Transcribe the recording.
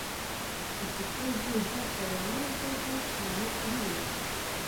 خو چې څو دوی هلته ور ورسېدل طالب نه و.